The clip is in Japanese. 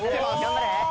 頑張れ。